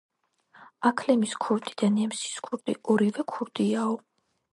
აქლემის ქურდი და ნემსის ქურდი ორივე ქურდიაოო